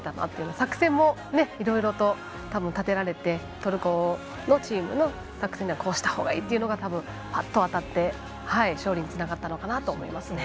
作戦も、いろいろと立てられてトルコのチームの作戦ではこうしたほうがいいというのがたぶん当たって勝利につながったのかなと思いますね。